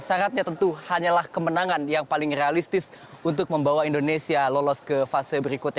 syaratnya tentu hanyalah kemenangan yang paling realistis untuk membawa indonesia lolos ke fase berikutnya